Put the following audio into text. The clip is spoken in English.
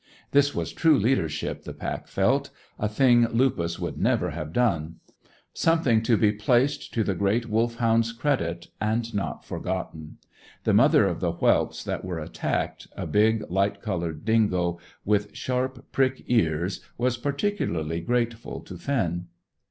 This was true leadership the pack felt, a thing Lupus would never have done; something to be placed to the great Wolfhound's credit, and not forgotten. The mother of the whelps that were attacked, a big, light coloured dingo, with sharp, prick ears, was particularly grateful to Finn.